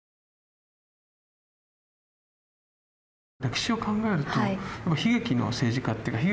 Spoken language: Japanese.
歴史を考えると悲劇の政治家っていうか。